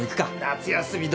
夏休み